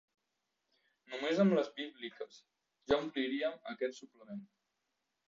Només amb les bíbliques ja ompliríem aquest suplement.